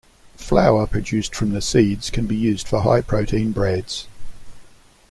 Flour produced from the seeds can be used for high-protein breads.